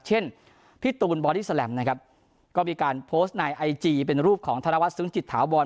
เช่นพี่ตูนบอดี้แลมนะครับก็มีการโพสต์ในไอจีเป็นรูปของธนวัฒซึ้งจิตถาวร